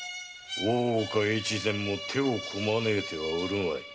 大岡越前も手をこまねいてはおるまい。